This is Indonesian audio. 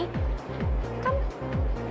kan kan kita bisa berhasil